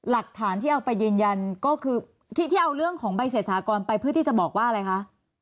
หลักฐานที่เอาไปยืนยันก็คือที่เอาเรื่องของใบเสร็จสากรไปเพื่อที่จะบอกว่าอะไรคะ